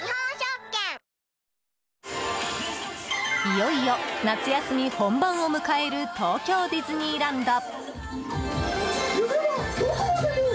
いよいよ夏休み本番を迎える東京ディズニーランド。